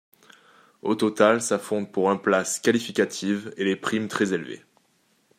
Au total, s'affrontent pour un places qualificatives et les primes très élevées.